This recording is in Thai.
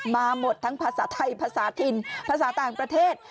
มาหมดทั้งภาษาไทยภาษาถิ่นภาษาต่างประเทศ